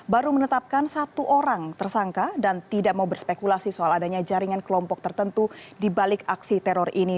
baru menetapkan satu orang tersangka dan tidak mau berspekulasi soal adanya jaringan kelompok tertentu di balik aksi teror ini